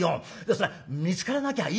そりゃ見つからなきゃいいよ。